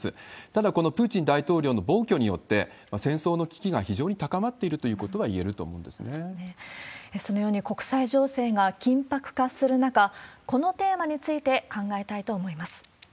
ただ、このプーチン大統領の暴挙によって、戦争の危機が非常に高まっているということはいえるとそのように国際情勢が緊迫化する中、このテーマについて考えたいと思います。